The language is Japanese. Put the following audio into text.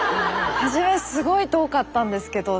初めすごい遠かったんですけどだんだん。